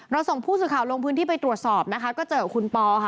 ส่งผู้สื่อข่าวลงพื้นที่ไปตรวจสอบนะคะก็เจอกับคุณปอค่ะ